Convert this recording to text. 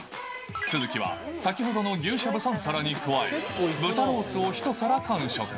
鈴木は先ほどの牛しゃぶ３皿に加え、豚ロースを１皿完食。